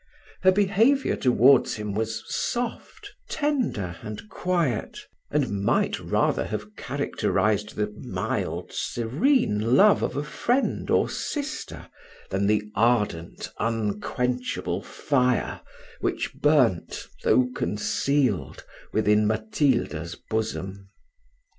Her behaviour towards him was soft, tender, and quiet, and might rather have characterised the mild, serene love of a friend or sister, than the ardent, unquenchable fire, which burnt, though concealed, within Matilda's bosom.